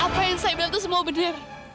apa yang saya bilang itu semua benar